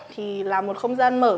thì là một không gian mở